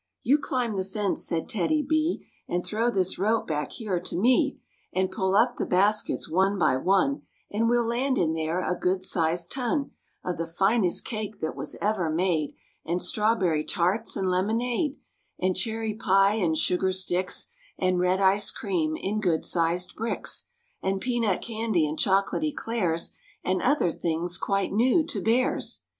^ "You climb the fence," said TEDDY B, "And throw this rope back here to me, And pull up the baskets one by one ^ And we'll land in there a good sized ton ||y\ Of the finest cake that was ever made, J And strawberry tarts and lemonade v\\ And cherry pie and sugar sticks \ And red ice cream in good sized bricks „ And peanut candy and chocolate eclairs ^ And other things quite new to bears."